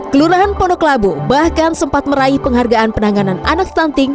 kelurahan pondok labu bahkan sempat meraih penghargaan penanganan anak stunting